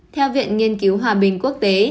theo viện nghiên cứu hòa bình quốc tế